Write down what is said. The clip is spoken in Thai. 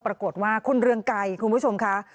ปรากฏว่าคุณเรืองไกรคุณผู้ชมค่ะ